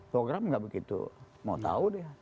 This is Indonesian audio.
program nggak begitu mau tahu deh